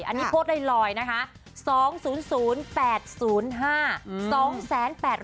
อันนี้โพสต์ได้รอยนะคะ